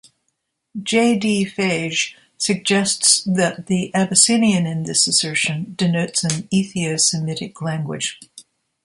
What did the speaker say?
J. D. Fage suggests that the 'Abyssinian' in this assertion denotes an Ethio-Semitic language.